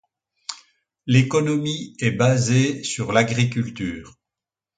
L'économie est basée sur l'agriculture.